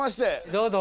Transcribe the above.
どうぞ。